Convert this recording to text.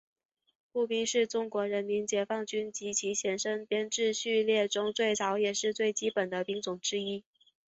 步兵是中国人民解放军及其前身的编制序列中最早的也是最基本的兵种之一。